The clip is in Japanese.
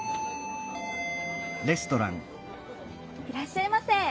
いらっしゃいませ。